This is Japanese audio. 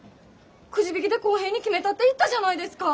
くじ引きで公平に決めたって言ったじゃないですか。